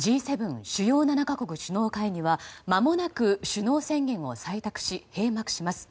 ・主要７か国首脳会議はまもなく首脳宣言を採択し閉幕します。